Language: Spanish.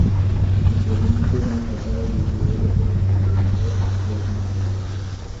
Las características más destacadas de este modelo fueron el temporizador y el flash sincronizado.